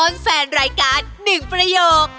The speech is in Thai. แฟนรายการ๑ประโยค